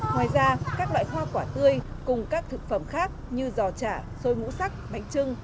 ngoài ra các loại hoa quả tươi cùng các thực phẩm khác như giò chả xôi ngũ sắc bánh trưng